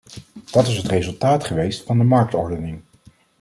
Dat is het resultaat geweest van de marktordening.